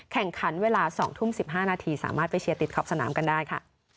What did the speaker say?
แข่งขันเวลา๒ทุ่ม๑๕นาทีสามารถไปเชียร์ติดขอบสนามกันได้ค่ะ